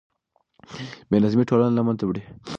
بې نظمي ټولنه له منځه وړي.